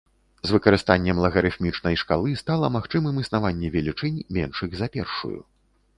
З выкарыстаннем лагарыфмічнай шкалы стала магчымым існаванне велічынь, меншых за першую.